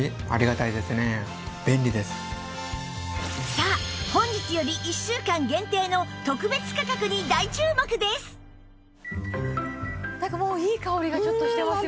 さあ本日より１週間限定の特別価格に大注目です！なんかもういい香りがちょっとしてますよね。